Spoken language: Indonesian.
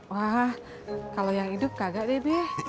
wah kalau yang hidup kagak deh